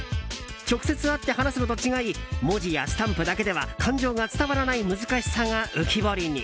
直接会って話すのと違い文字やスタンプだけでは感情が伝わらない難しさが浮き彫りに。